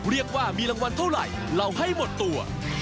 เรียกว่ามีรางวัลเท่าไหร่เราให้หมดตัว